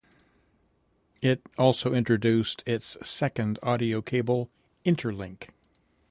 It also introduced its second audio cable, Interlink.